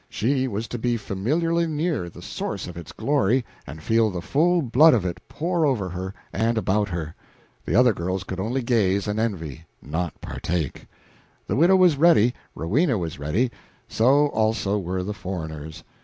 She was to be familiarly near the source of its glory and feel the full flood of it pour over her and about her; the other girls could only gaze and envy, not partake. The widow was ready, Rowena was ready, so also were the foreigners.